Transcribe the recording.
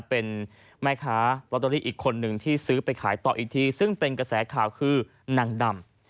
เป็นแม่ค้าลอตเตอรี่อีกคนนึงที่ซื้อไปขายต่ออีกทีซึ่งเป็นกระแสข่าวคือนางดำ